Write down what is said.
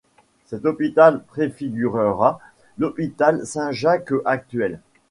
Cet hôpital préfigurera l'hôpital Saint-Jacques actuel.